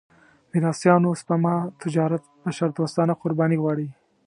میراثيانو سپما تجارت بشردوستانه قرباني غواړي.